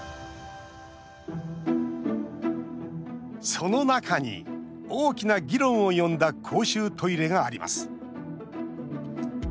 その中に、大きな議論を呼んだ公衆トイレがあります。